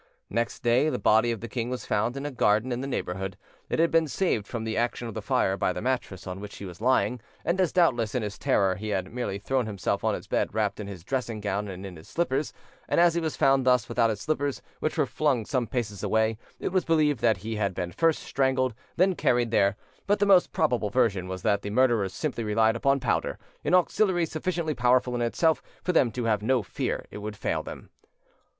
Next day the body of the king was found in a garden in the neighbourhood: it had been saved from the action of the fire by the mattresses on which he was lying, and as, doubtless, in his terror he had merely thrown himself on his bed wrapped in his dressing gown and in his slippers, and as he was found thus, without his slippers, which were flung some paces away, it was believed that he had been first strangled, then carried there; but the most probable version was that the murderers simply relied upon powder—an auxiliary sufficiently powerful in itself for them to have no fear it would fail them.